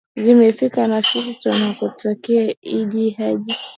zimefika na sisi tunakutakia idd hajj